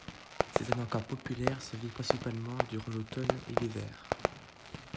C'est un encas populaire servi principalement durant l'automne et l'hiver.